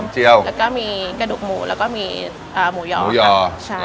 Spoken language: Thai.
เจียวแล้วก็มีกระดูกหมูแล้วก็มีหมูหย่อหมูหย่อใช่